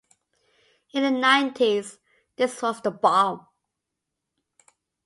In the nineties this was the bomb.